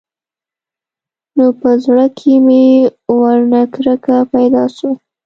نو په زړه کښې مې ورنه کرکه پيدا سوه.